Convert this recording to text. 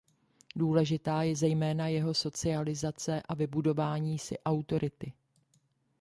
Důležitá je zejména jeho socializace a vybudování si autority.